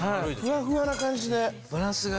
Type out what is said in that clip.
ふわふわな感じで。